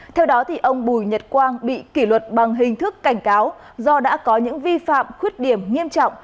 theo đó ông bùi nhật quang bị kỷ luật bằng hình thức cảnh cáo do đã có những vi phạm khuyết điểm nghiêm trọng